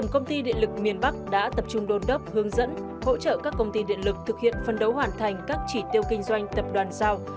công ty điện lực miền bắc đã tập trung đôn đốc hướng dẫn hỗ trợ các công ty điện lực thực hiện phân đấu hoàn thành các chỉ tiêu kinh doanh tập đoàn sao